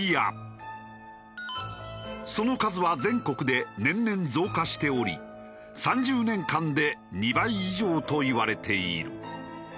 その数は全国で年々増加しており３０年間で２倍以上といわれている。